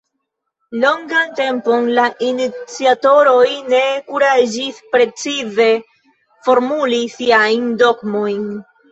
Longan tempon la iniciatoroj ne kuraĝis precize formuli siajn dogmojn.